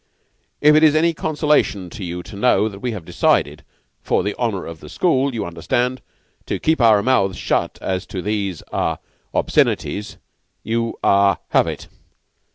If it is any consolation to you to know that we have decided for the honor of the school, you understand to keep our mouths shut as to these ah obscenities, you ah have it."